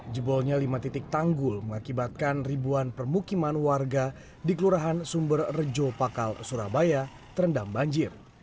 jebolnya lima titik tanggul mengakibatkan ribuan permukiman warga di kelurahan sumber rejo pakal surabaya terendam banjir